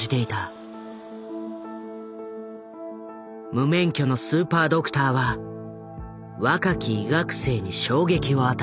無免許のスーパードクターは若き医学生に衝撃を与えた。